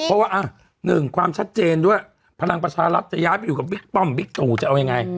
เพราะว่าหนึ่งความชัดเจนด้วยพลังประชารัฐจะย้ายไปอยู่กับบิ๊กป้อมบิ๊กตู่จะเอายังไง